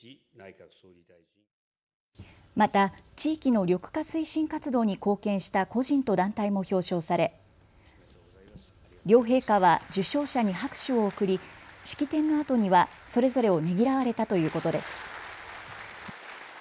また地域の緑化推進活動に貢献した個人と団体も表彰され両陛下は受賞者に拍手を送り式典のあとにはそれぞれをねぎらわれたということです。